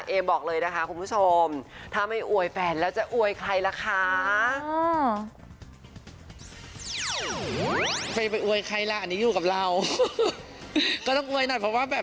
บอกเลยนะคะคุณผู้ชมถ้าไม่อวยแฟนแล้วจะอวยใครล่ะคะ